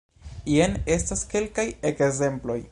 Jen estas kelkaj ekzemploj.